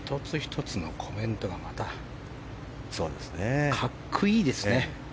１つ１つのコメントがまた、格好いいですね。